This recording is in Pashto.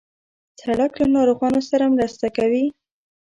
سړک له ناروغانو سره مرسته کوي.